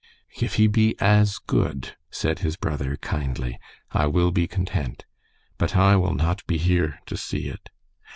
"If he be as good," said his brother, kindly, "I will be content; but I will not be here to see it."